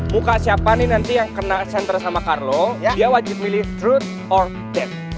muka siapa nih nanti yang kena center sama carlo dia wajib milih truth ordet